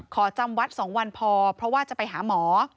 จำวัด๒วันพอเพราะว่าจะไปหาหมอ